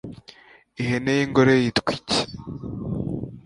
Ihene y'ingore yitwa iki?